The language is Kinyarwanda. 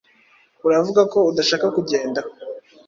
Uravuga ko udashaka kugenda?